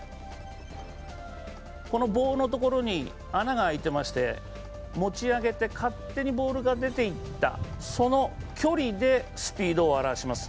棒のところに穴が開いていまして、持ち上げて勝手にボールが出ていったその距離でスピードを表します。